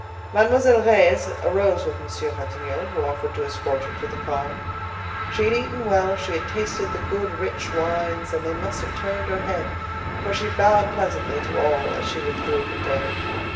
Mademoiselle Reisz arose with Monsieur Ratignolle, who offered to escort her to the car. She had eaten well; she had tasted the good, rich wines, and they must have turned her head, for she bowed pleasantly to all as she withdrew from table.